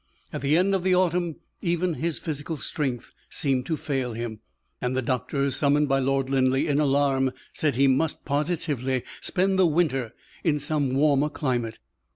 At the end of the autumn even his physical strength seemed to fail him, and the doctors, summoned by Lord Linleigh in alarm, said he must positively spend the winter in some warmer climate.